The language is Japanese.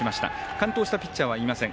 完投したピッチャーはいません。